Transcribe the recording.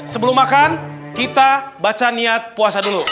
sebelum makan kita baca niat puasa dulu